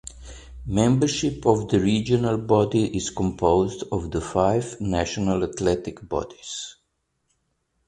Membership of the regional body is composed of the five national athletics bodies.